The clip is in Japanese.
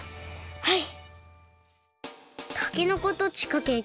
はい！